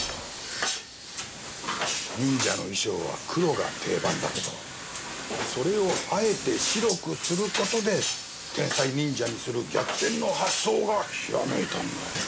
忍者の衣装は黒が定番だけどそれをあえて白くすることで天才忍者にする逆転の発想がひらめいたんだよ。